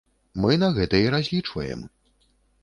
Мы на гэта і разлічваем.